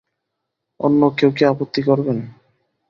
অন্য কেউ কি আপত্তি করবেন?